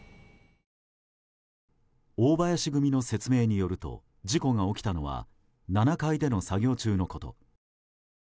大林組の説明によると事故が起きたのは７階での作業中のこと。